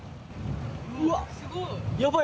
うわ、すごい。